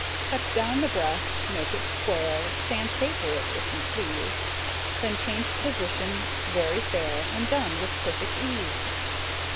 Cut down the breast, make it square, Sand paper it, if you please; Then change position very fair, And done with perfect ease.